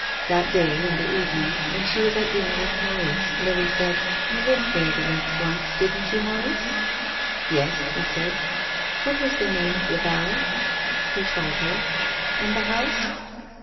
That day, in the evening, when she was at dinner with Maurice, Lily said : "You lived near the Lakes once, didn't you, Maurice ?"" Yes," he said. " What was the name of the valley ?" He told her. "And the house?